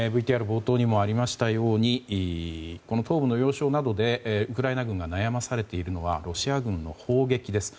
ＶＴＲ冒頭にもありましたように東部の要衝などでウクライナ軍が悩まされているのがロシア軍の砲撃です。